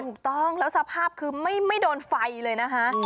ถูกต้องแล้วสภาพคือไม่โดนไฟเลยนะคะ